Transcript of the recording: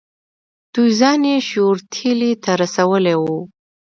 دوی ځان یې شیورتیلي ته رسولی وو.